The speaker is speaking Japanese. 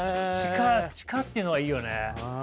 地下っていうのがいいよね。